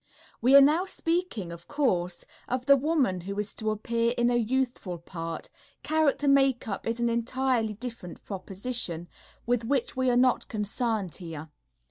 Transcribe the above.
We are now speaking, of course, of the woman who is to appear in a youthful part; character makeup is an entirely different proposition, with which we are not concerned here.